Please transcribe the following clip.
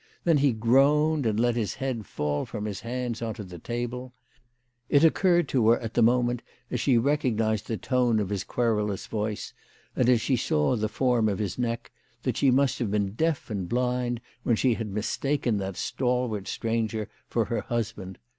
Then he groaned, and let his head fall from his hands on to the table. It occurred to her at the moment as she recognised the tone of his querulous voice, and as she saw the form of his neck, that she must have been deaf and blind when she had mistaken that stalwart stranger for her husband.